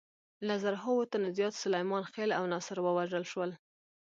له زرهاوو تنو زیات سلیمان خېل او ناصر ووژل شول.